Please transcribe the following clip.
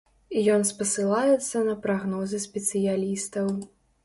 Ён спасылаецца на прагнозы спецыялістаў.